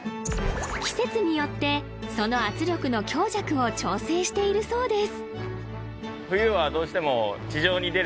季節によってその圧力の強弱を調整しているそうです